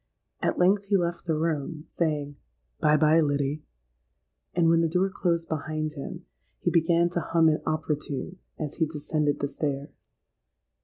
At length he left the room, saying, 'Bye, bye, Liddy;' and when the door closed behind him, he began to hum an opera tune, as he descended the stairs.